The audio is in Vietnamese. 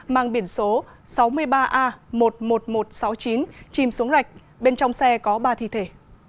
mang biển số sáu mươi ba a một mươi một nghìn một trăm sáu mươi chín chìm xuống rạch bên trong xe có ba thi thể